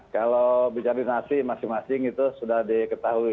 kalau bicara dinasi masing masing itu sudah diketahui